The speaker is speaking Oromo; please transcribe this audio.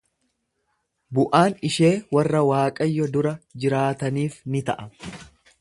Bu'aan ishee warra Waaqayyo dura jiraataniif ni ta'a.